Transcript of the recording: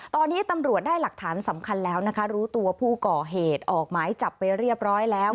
ตอนนี้ตำรวจได้หลักฐานสำคัญแล้วนะคะรู้ตัวผู้ก่อเหตุออกหมายจับไปเรียบร้อยแล้ว